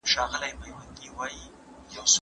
دا علم د پرمختګ وسیله ده.